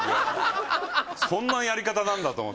そんなやり方なんだと思って。